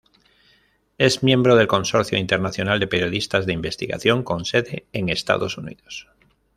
Es miembro del Consorcio Internacional de Periodistas de Investigación con sede en Estados Unidos.